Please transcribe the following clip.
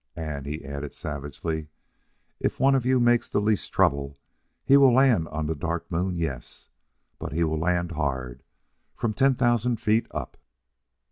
And," he added savagely, "if one of you makes the least trouble, he will land on the Dark Moon yess! but he will land hard, from ten thousand feet up!"